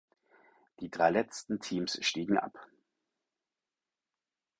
Die drei letzten Teams stiegen ab.